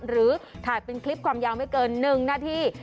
หรือถ่ายเป็นคลิปความยาวไม่เกิน๑นาที